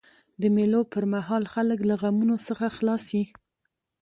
د مېلو پر مهال خلک له غمونو څخه خلاص يي.